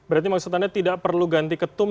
berarti maksud anda tidak perlu ganti ketum